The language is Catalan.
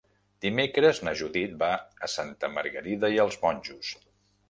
Dimecres na Judit va a Santa Margarida i els Monjos.